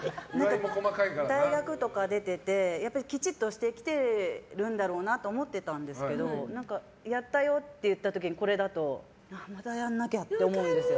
大学とか出ててきちっとしてきてるんだろうなと思ってたんですけどやったよって言った時にこれだと、またやらなきゃって思うんですよ。